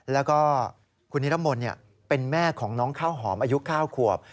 แล้วก็คุณนิรมนต์เป็นแม่ของน้องข้าวหอมอายุ๙ขวบ